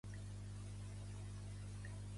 Pertany al moviment independentista la Maribel?